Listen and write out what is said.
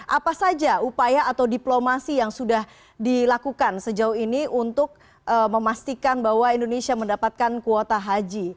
apa saja upaya atau diplomasi yang sudah dilakukan sejauh ini untuk memastikan bahwa indonesia mendapatkan kuota haji